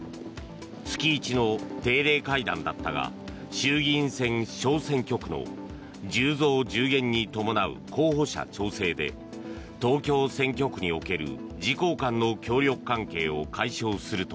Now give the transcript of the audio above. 月１の定例会談だったが衆議院選小選挙区の１０増１０減に伴う候補者調整で東京選挙区における自公間の協力関係を解消すると